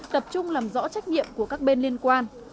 tập trung làm rõ trách nhiệm của các bên liên quan